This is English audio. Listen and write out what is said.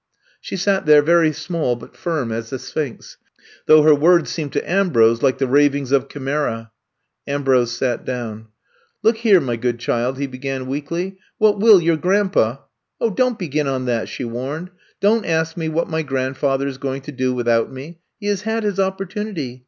She sat there, very small but firm as the Sphinx, though her words seemed to Ambrose like the ravings of chimera. Am brose sat down. Look here, my good child," he began weakly, what will your grandpa —"Don't begin on that!" she warned. Don't ask me what my grandfather is go ing to do without me. He has had his op portunity.